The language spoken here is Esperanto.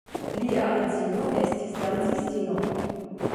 Lia edzino estis dancistino.